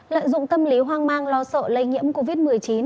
lợi dụng tâm lý hoang mang lo sợ lây nhiễm covid một mươi chín